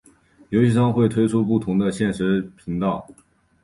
游戏商会推出不同的限时频道。